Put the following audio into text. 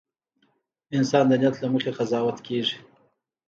• انسان د نیت له مخې قضاوت کېږي.